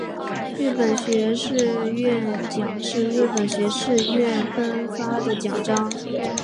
日本学士院奖是日本学士院颁发的奖章。